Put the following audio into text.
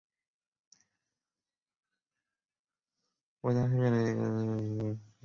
该步枪还配备了接口系统以安装光学瞄准镜和空包弹助退器。